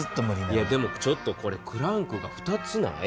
いやでもちょっとこれクランクが２つない？